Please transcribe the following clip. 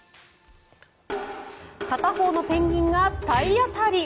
片方のペンギンが体当たり。